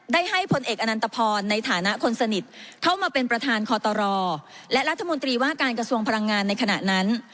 ได้ให้พลเอกอนันตพรในฐานะคนสนิทเข้ามาเป็นประธานคอตรและรัฐมนตรีว่าการกระทรวงพลังงานในขณะนั้น